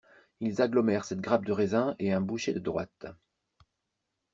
Ils agglomèrent cette grappe de raisin et un boucher de droite.